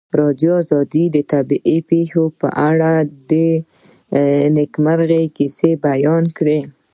ازادي راډیو د طبیعي پېښې په اړه د نېکمرغۍ کیسې بیان کړې.